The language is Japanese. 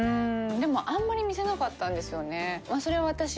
でもあんまり見せなかったんですよね。